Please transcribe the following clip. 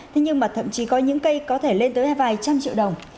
thế nhưng mà thậm chí có những cây có thể lên tới vài trăm triệu đồng